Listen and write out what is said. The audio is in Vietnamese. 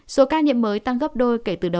số ca nhiễm mới tăng gấp đôi kể từ đầu